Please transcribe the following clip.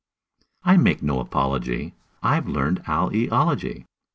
I make no apology; I've learned owl eology.